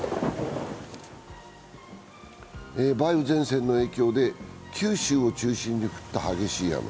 梅雨前線の影響で九州を中心に降った激しい雨。